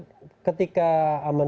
dpd itu sudah terbatas